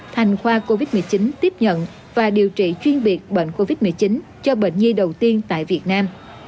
thành khoa covid một mươi chín tiếp nhận và điều trị chuyên biệt bệnh covid một mươi chín cho bệnh nhi đầu tiên tại việt nam